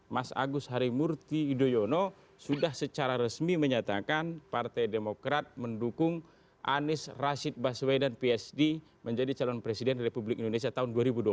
mas agus harimurti yudhoyono sudah secara resmi menyatakan partai demokrat mendukung anies rashid baswedan psd menjadi calon presiden republik indonesia tahun dua ribu dua puluh empat